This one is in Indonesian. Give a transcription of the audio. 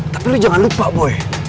tapi lo jangan lupa boy